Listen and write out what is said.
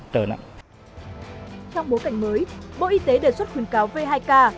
trong bối cảnh mới bộ y tế đề xuất khuyến cáo v hai k